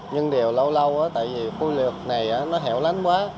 nhưng điều lâu lâu tại vì khu liệt này nó hẹo lánh quá